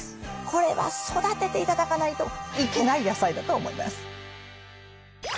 これは育てて頂かないといけない野菜だと思います。